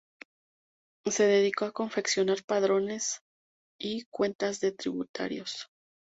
Se dedicó a confeccionar padrones y cuentas de tributarios.